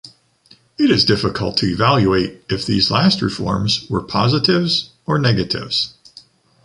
It is difficult to evaluate if these last reforms were positives or negatives.